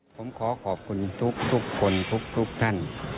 ผมขอขอบคุณทุกคนทุกท่าน